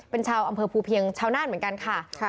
เป็นชาวอำเภอภูเพียงชาวนานเหมือนกันค่ะ